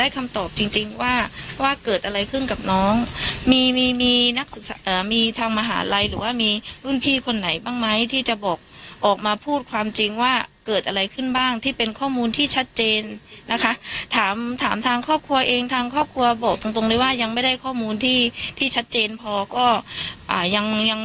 ฆ่าไว้ไม่ชัดเจนอ่านะฮะ